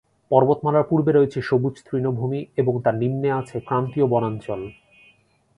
পর্বতমালার পূর্বে রয়েছে সবুজ তৃণভূমি এবং তারও নিম্নে আছে ক্রান্তীয় বনাঞ্চল।